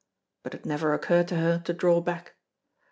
But it never occurred to her to draw back.